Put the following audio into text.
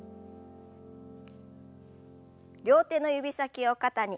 両手の指先を肩に。